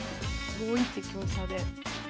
５一香車。